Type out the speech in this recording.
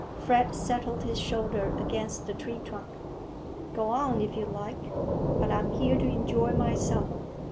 Fred settled his shoulder against the tree trunk. "Go on if you like, but I'm here to enjoy myself.